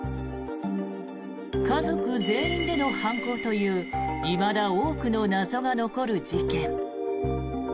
家族全員での犯行といういまだ多くの謎が残る事件。